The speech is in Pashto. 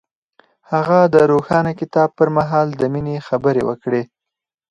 هغه د روښانه کتاب پر مهال د مینې خبرې وکړې.